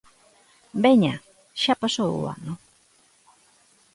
_Veña, xa pasou o ano.